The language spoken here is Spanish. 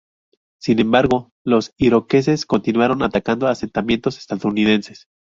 Sin embargo, los iroqueses continuaron atacando asentamientos estadounidenses.